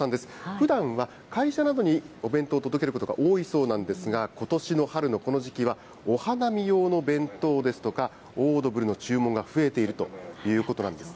ふだんは会社などにお弁当を届けることが多いそうなんですが、ことしの春のこの時期は、お花見用の弁当ですとか、オードブルの注文が増えているということなんです。